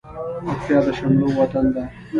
پکتيا د شملو وطن ده